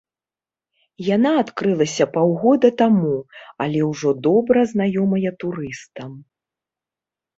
Яна адкрылася паўгода таму, але ўжо добра знаёмая турыстам.